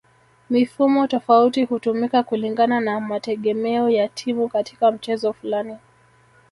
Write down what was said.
Mifumo tofauti hutumika kulingana na mategemeo ya timu katika mchezo fulani